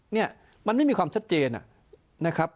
เนี่ยมันไม่มีความชัดเจนนะครับ